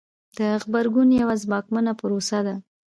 د غبرګون یوه ځواکمنه پروسه ده.